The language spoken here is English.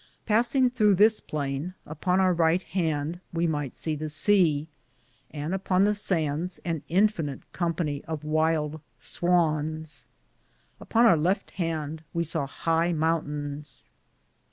Pasinge throughe this plaine, upon our righte hande we myghte se the seae, and upon the sandes an infinite com pany of wyld swans.^ Upon our lefte hande we sawe highe mountains.